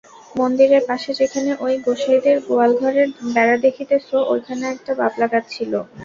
মন্দিরের পাশে যেখানে ঐ গোঁসাইদের গোয়ালঘরের বেড়া দেখিতেছ, ঐখানে একটা বাবলা গাছ ছিল।